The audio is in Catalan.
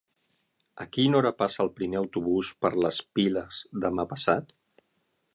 A quina hora passa el primer autobús per les Piles demà passat?